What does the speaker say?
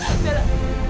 mampir aku bella